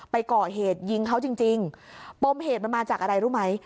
ไปก่อเหตุยิงเขาจริงพวงเกตมาจากอะไรรู้ไหม